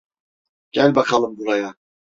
Gel bakalım buraya.